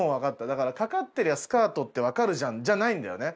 だからかかってりゃスカートってわかるじゃん？じゃないんだよね。